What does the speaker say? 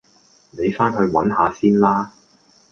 你返去搵下先啦